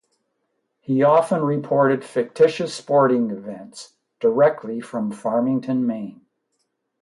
He often reported fictitious sporting events "directly from Farmington, Maine".